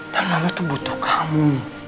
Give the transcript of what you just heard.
dan mama tuh butuh kamu